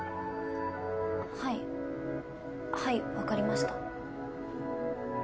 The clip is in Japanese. はいはい分かりました。